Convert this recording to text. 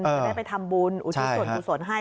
ได้ไปทำบุญอุทิศส่วนอุทิศส่วนให้